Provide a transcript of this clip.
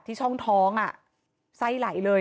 ที่ช่องท้องอะไส้ไหลเลย